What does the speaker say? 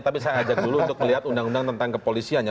tapi saya ajak dulu untuk melihat undang undang tentang kepolisian ya